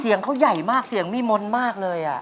เสียงเขาใหญ่มากเสียงนิมนต์มากเลย